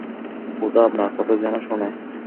খোদা আপনার কথা যেন শোনে!